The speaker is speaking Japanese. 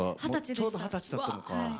ちょうど二十歳だったのか。